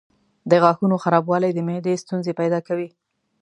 د غاښونو خرابوالی د معدې ستونزې پیدا کوي.